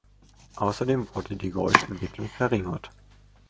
Außerdem wurde die Geräuschentwicklung verringert.